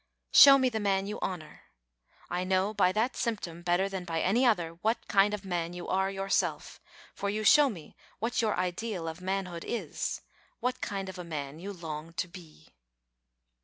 Show me the man you honour; I know by that symptom better than by any other, what kind of a man you are yourself; for you show me what your ideal of manhood is, what kind of a man you long to be.